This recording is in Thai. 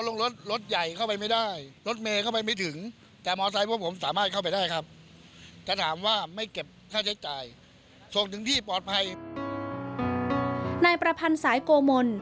ในประพันธ์สายโกมน